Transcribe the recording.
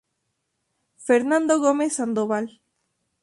Fernando Gómez Sandoval.